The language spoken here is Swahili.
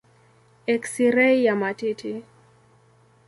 Eksirei ya matiti.